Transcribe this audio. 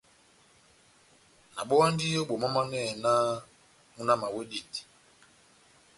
Nabowandi o bomamanɛhɛ nah muna wami awedindi.